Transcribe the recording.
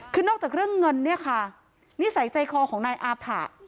คือนอกจากเรื่องเงินเนี่ยค่ะนิสัยใจคอของนายอาผะ